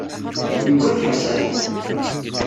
Yuggad Ḥasan?